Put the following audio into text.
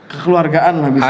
kekeluargaan lah bisa